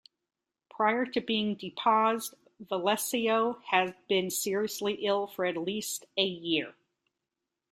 Prior to being deposed, Velasco had been seriously ill for at least a year.